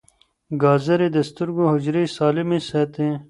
ګازرې د سترګو حجرې سالمې ساتي.